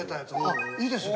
あっいいですね。